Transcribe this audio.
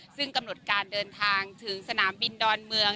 ซึ่งกำหนดการเดินทางถึงสนามบินดอนเมือง